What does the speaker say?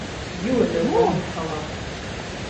You're the wrong colour.